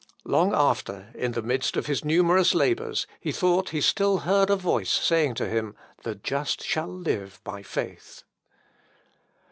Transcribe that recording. Long after, in the midst of his numerous labours, he thought he still heard a voice saying to him, "The just shall live by faith."